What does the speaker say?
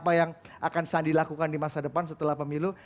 apa yang akan sandi lakukan di masa depan setelah pemilu